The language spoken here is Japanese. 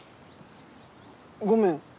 ごめん。